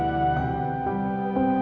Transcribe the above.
siapa masalah juga roli